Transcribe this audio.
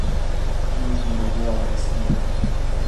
موږ مربع رسموو.